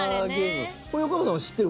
これ横山さんも知ってる？